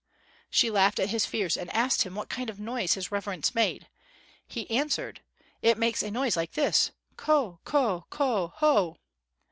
She laughed at his fears and asked him what kind of noise his reverence made. He answered: "It makes a noise like this: Ko ko ko ho."